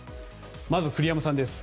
まず栗山さんです。